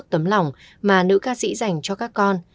tấm lòng mà nữ ca sĩ dành cho các con